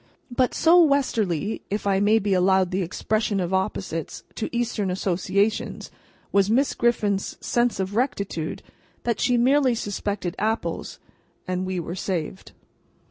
But, so Westerly—if I may be allowed the expression as opposite to Eastern associations—was Miss Griffin's sense of rectitude, that she merely suspected Apples, and we were saved.